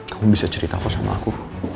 kamu bisa ceritaku sama aku